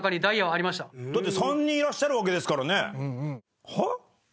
だって３人いらっしゃるわけですからね。